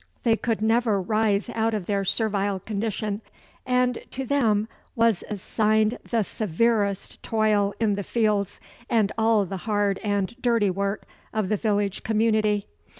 They could never rise out of their servile condition; and to them was assigned the severest toil in the fields, and all the hard and dirty work of the village community.